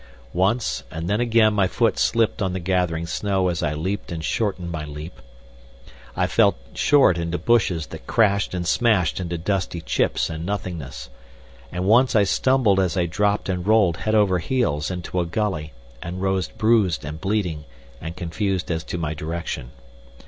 Once, and then again my foot slipped on the gathering snow as I leapt and shortened my leap; once I fell short into bushes that crashed and smashed into dusty chips and nothingness, and once I stumbled as I dropped and rolled head over heels into a gully, and rose bruised and bleeding and confused as to my direction.